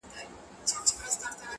سل وعدې مو هسې د اوبو پر سر کرلې وې!